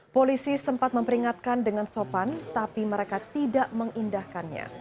polisi sempat memperingatkan dengan sopan tapi mereka tidak mengindahkannya